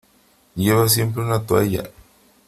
Lleva siempre una toalla.